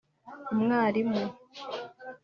umwarimu